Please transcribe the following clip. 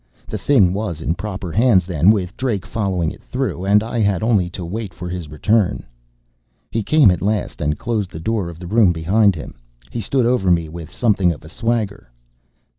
The thing was in proper hands, then, with Drake following it through. And I had only to wait for his return. He came at last, and closed the door of the room behind him. He stood over me with something of a swagger.